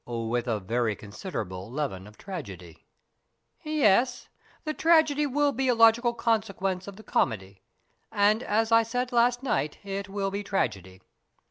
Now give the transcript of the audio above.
"With a very considerable leaven of tragedy." "Yes, the tragedy will be a logical sequence of the comedy and, as I said last night, it will be tragedy.